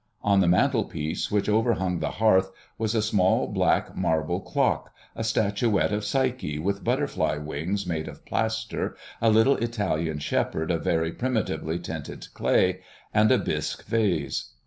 On the mantel piece which overhung the hearth was a small black marble clock, a statuette of Psyche with butterfly wings made of plaster, a little Italian shepherd of very primitively tinted clay, and a bisque vase.